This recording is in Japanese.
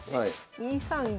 ２三銀。